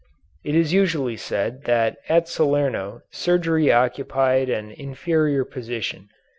It is usually said that at Salerno surgery occupied an inferior position.